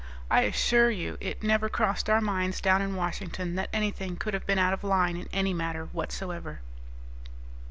I assure you it never crossed our minds down in Washington that anything could have been out of line in any manner whatsoever."